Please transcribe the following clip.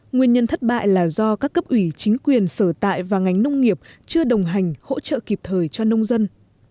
nguyên nhân thất bại là do các cấp ủy chính quyền sở tại và ngành nông nghiệp chưa đồng hành hỗ trợ kịp thời cho nông dân